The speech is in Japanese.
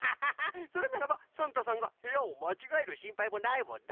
それならばサンタさんがへやをまちがえるしんぱいもないもんな。